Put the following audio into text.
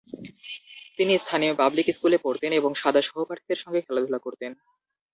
তিনি স্থানীয় পাবলিক স্কুলে পড়তেন এবং সাদা সহপাঠীদের সঙ্গে খেলাধুলা করেতেন।